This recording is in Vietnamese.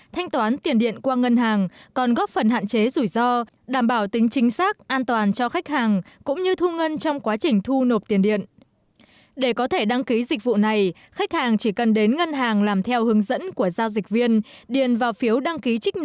tổng công ty điện lực thành phố hà nội